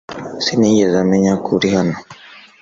Sinigeze menya ko uri hano .